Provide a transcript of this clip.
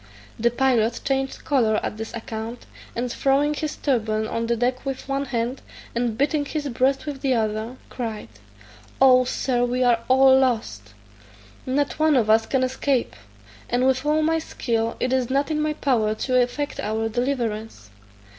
The pilot changed colour at this account, and throwing his turban on the deck with one hand, and beating his breast with the other, cried, "Oh, Sir, we are all lost; not one of us can escape; and with all my skill it is not in my power to effect our deliverance."